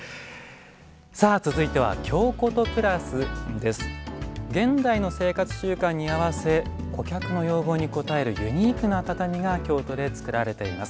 さあ続いては現代の生活習慣に合わせ顧客の要望に応えるユニークな畳が京都で作られています。